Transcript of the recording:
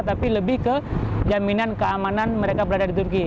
tapi lebih ke jaminan keamanan mereka berada di turki